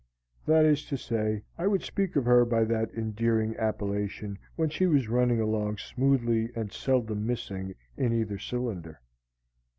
That is to say, I would speak of her by that endearing appellation when she was running along smoothly and seldom missing in either cylinder.